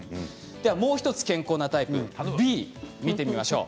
ではもう一つ健康なタイプＢ見てみましょう。